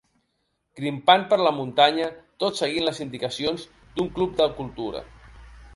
Grimpat per la muntanya tot seguint les indicacions d'un club de cultura.